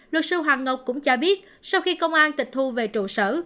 luật sư hoàng ngọc cũng cho biết sau khi công an tịch thu về trụ sở